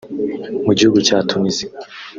Mu gihugu cya Tunisia